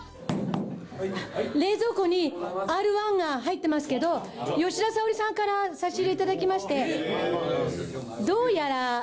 冷蔵庫にＲ−１が入ってますけど吉田沙保里さんから差し入れ頂きましてどうやら。